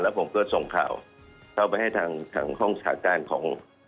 ผมก็ส่งข่าวเข้าไปให้ทางห้องสถานการณ์ของ